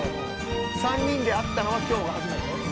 ３人で会ったのは今日が初めて？